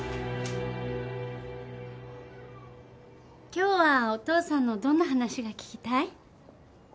今日はお父さんのどんな話が聞きたい？